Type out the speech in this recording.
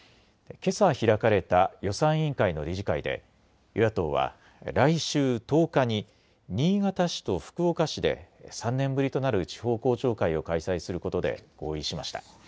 けさ開かれた予算委員会の理事会で与野党は来週１０日に新潟市と福岡市で３年ぶりとなる地方公聴会を開催することで合意しました。